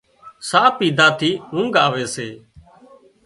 ساهَه پيڌا ٿي اونگھ آوي سي